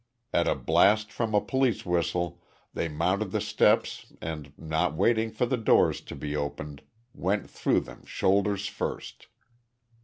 At a blast from a police whistle they mounted the steps and, not waiting for the doors to be opened, went through them shoulders first.